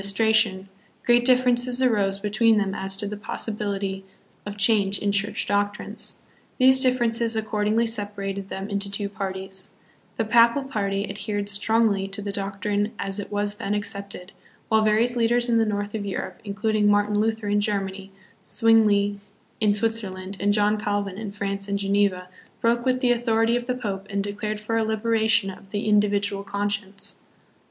istration, great differences arose between them as to the possibility of change in Church doctrines. These differ ences accordingly separated them into two parties; the Papal party adhered strongly to the doctrine as it was then accepted, while various leaders in the north of Europe, including Martin Luther hi Germany, Swingli in Switzer land, and John Calvin in France and Geneva, broke with the authority of the Pope and declared for a liberation of the individual conscience.